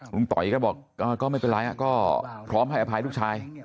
ต่อยก็บอกก็ไม่เป็นไรก็พร้อมให้อภัยลูกชาย